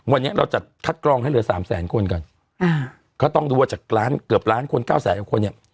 วันนี้เราจัดคัดกรองให้เหลือสามแสนคนก่อนอ่าก็ต้องดูว่าจากล้านเกือบล้านคนเก้าแสนกว่าคนเนี่ย